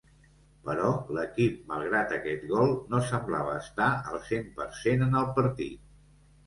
Però l’equip, malgrat aquest gol, no semblava estar al cent per cent en el partit.